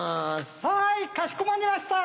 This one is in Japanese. はいかしこまりました。